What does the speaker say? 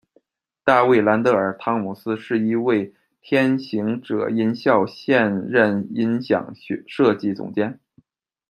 大卫·兰德尔·汤姆斯是一位，天行者音效现任音响设计总监。